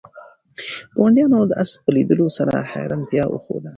ګاونډیانو د آس په لیدلو سره حیرانتیا وښوده.